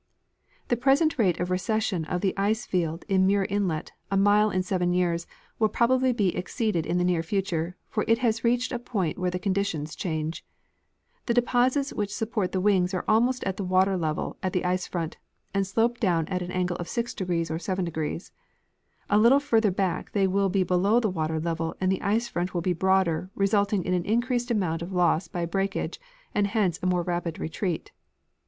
The present rate of recession of the ice front in Muir inlet, a mile in seven years, will probably be exceeded in the near future ; for it has reached a point where the conditions change. The de posits which support the wings are almost at the water level at the ice front, and slope down at an angle of 6° or 7° ; a little further back they will be below the water level and the ice front will be broader, resulting in an increased amount of loss by breakage and hence a more rapid retreat.